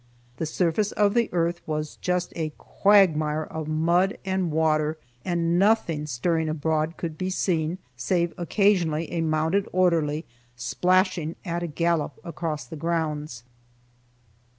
The surface of the earth was just a quagmire of mud and water, and nothing stirring abroad could be seen save occasionally a mounted orderly, splashing at a gallop across the grounds.